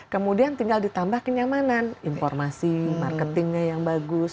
kemudian tinggal ditambah kenyamanan informasi marketingnya yang bagus